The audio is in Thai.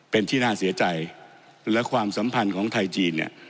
เป็นที่น่าเสียใจและความสัมพันธ์ของไทยจีนเนี่ย